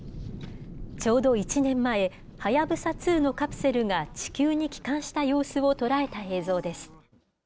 ちょうど１年前、はやぶさ２のカプセルが地球に帰還した様子を捉えた映像です。